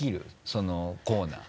そのコーナー。